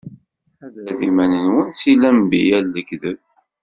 Ḥadret iman-nwen si lenbiya n lekdeb!